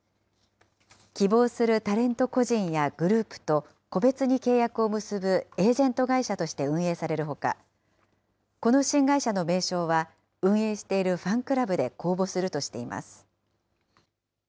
希望するタレント個人やグループと個別に契約を結ぶエージェント会社として運営されるほか、この新会社の名称は、運営しているファンクラブで公募するとしています。